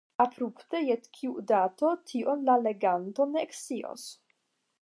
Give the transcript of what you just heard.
Abrupte je kiu dato, tion la leganto ne ekscios.